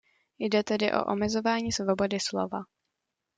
Jde tedy o omezování svobody slova.